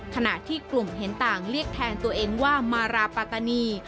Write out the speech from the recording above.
ขณะที่กลุ่มเห็นต่างเรียกแทนตัวเองว่ามาราปาตานี